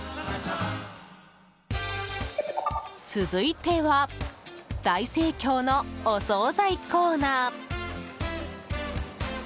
続いては大盛況のお総菜コーナー。